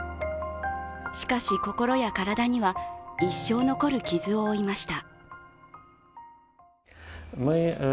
しかし、心や体には一生残る傷を負いました。